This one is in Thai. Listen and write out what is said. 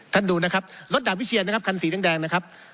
ท่านดูนะครับรถด่ามวิเชียรนะครับคันสีแดงแดงนะครับ